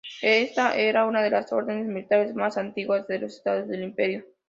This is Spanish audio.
Esta era una de los órdenes militares más antiguas de los estados del Imperio.